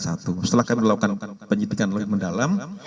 setelah kami melakukan penyitikan lebih mendalam